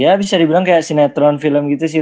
ya bisa dibilang kayak sinetron film gitu sih